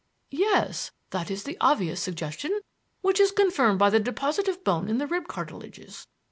"Yes, that is the obvious suggestion, which is confirmed by the deposit of bone in the rib cartilages.